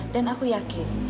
dan aku yakin